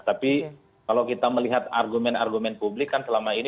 tapi kalau kita melihat argumen argumen publik kan selama ini